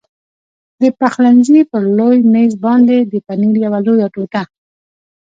د پخلنځي پر لوی مېز باندې د پنیر یوه لویه ټوټه.